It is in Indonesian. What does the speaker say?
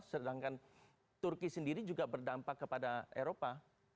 sedangkan turki sendiri juga berdampak kepada eropa